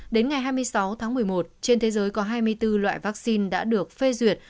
đến ngày hai mươi sáu tháng một mươi một trên thế giới có hai mươi bốn loại vaccine đã được phê duyệt